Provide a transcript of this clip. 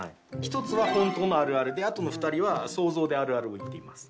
１つは本当のあるあるであとの２人は想像であるあるを言っています。